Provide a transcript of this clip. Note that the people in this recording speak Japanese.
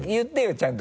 ちゃんと。